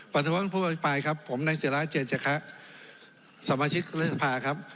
ประท้วงผู้อภิปัยครับผมนายเสียราชเจจักระสมาชิกฤษภาครับ